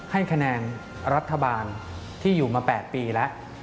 ให้คะแนนรัฐบาลที่อยู่มา๘ปีแล้ว